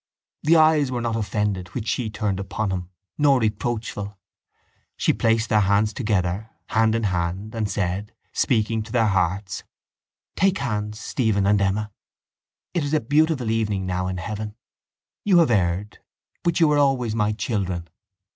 The eyes were not offended which she turned upon him nor reproachful. She placed their hands together, hand in hand, and said, speaking to their hearts: —Take hands, Stephen and Emma. It is a beautiful evening now in heaven. You have erred but you are always my children.